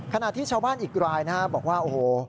ขณะที่ชาวบ้านอีกรายนะฮะบอกว่าโอ้โห